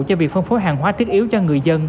cho việc phân phối hàng hóa thiết yếu cho người dân